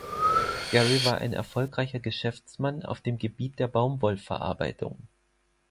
Gary war ein erfolgreicher Geschäftsmann auf dem Gebiet der Baumwollverarbeitung.